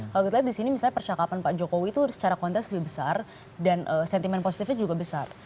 kalau kita lihat di sini misalnya percakapan pak jokowi itu secara kontes lebih besar dan sentimen positifnya juga besar